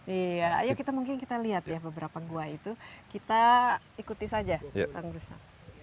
iya ayo kita mungkin kita lihat ya beberapa gua itu kita ikuti saja bang rustam